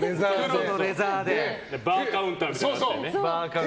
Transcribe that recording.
バーカウンターみたいなのがあってね。